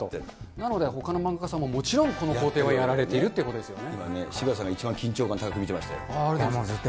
なのでほかの漫画家さんももちろんこの工程はやられているということですよね。